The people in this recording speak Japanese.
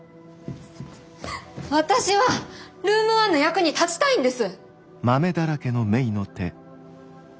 私はルーム１の役に立ちたいんです！